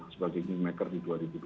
sebagai kingmaker di dua ribu dua puluh